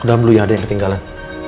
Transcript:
udah belunya ada yang ketinggalan